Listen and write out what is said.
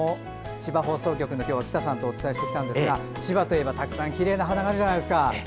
千葉放送局の喜多さんと今日はお伝えしてきたんですが千葉といえば、たくさんきれいな花があるじゃないですか。